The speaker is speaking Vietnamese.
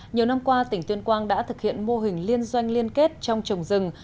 nhiều năm qua tỉnh tuyên quang đã thực hiện mô hình liên doanh liên kết trong trồng rừng